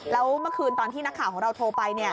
แล้วเมื่อคืนตอนที่นักข่าวของเราโทรไป